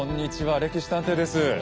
「歴史探偵」です。